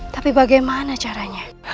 tapi bagaimana caranya